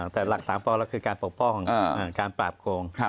แต่หลัก๓ปแล้วคือการปกป้องการปราบโกง